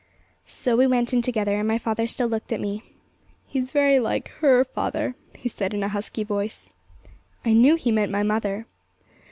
So we went in together, and my father still looked at me. 'He's very like HER, father,' he said, in a husky voice. I knew he meant my mother!